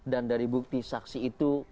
dan dari bukti saksi itu